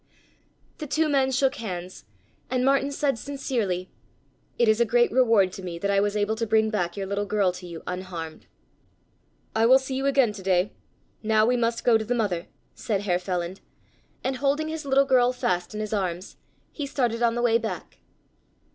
The two men shook hands, and Martin said sincerely: "It is a great reward to me that I was able to bring back your little girl to you unharmed." "I will see you again to day. Now we must go to the mother," said Herr Feland, and, holding his little girl fast in his arms, he started on the way back.